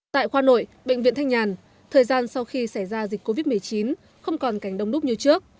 tại khoa nội bệnh viện thanh nhàn thời gian sau khi xảy ra dịch covid một mươi chín không còn cảnh đông đúc như trước